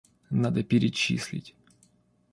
Надо перечислить.